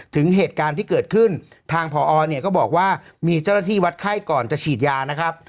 ถึงเหตุการณ์ที่เกิดขึ้นทางพอเนี่ยก็บอกว่ามีเจ้าหน้าที่วัดไข้ก่อนจะฉีดยานะครับ